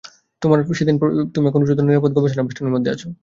তোমার প্রশ্নের উত্তর, তুমি এখন উচ্চতর নিরাপদ গবেষণা বেষ্টনীর মধ্যে আছো।